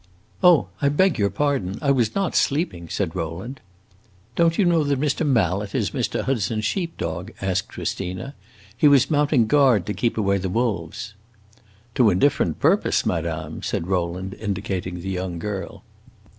"Oh, I beg your pardon; I was not sleeping," said Rowland. "Don't you know that Mr. Mallet is Mr. Hudson's sheep dog?" asked Christina. "He was mounting guard to keep away the wolves." "To indifferent purpose, madame!" said Rowland, indicating the young girl.